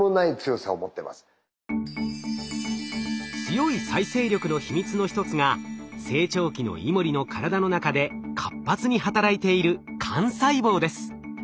強い再生力の秘密の一つが成長期のイモリの体の中で活発に働いている幹細胞です。